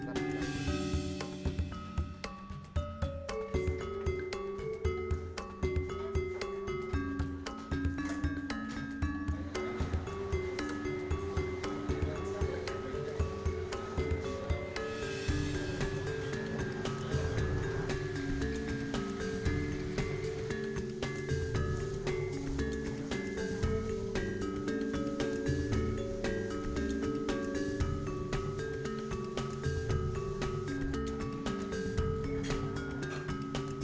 berapa pun harganya